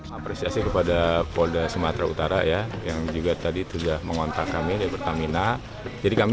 apresiasi kepada polda sumatera utara ya yang juga tadi sudah mengontak kami dari pertamina jadi kami